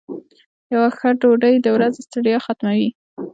یو ښه ډوډۍ د ورځې ستړیا ختموي.